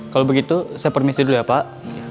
kalau begitu saya permisi dulu ya pak